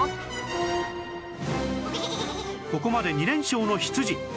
ここまで２連勝の羊